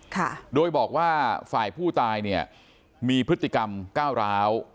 ค่ะโดยบอกว่าฝ่ายผู้ตายเนี่ยมีพฤติกรรมก้าวร้าว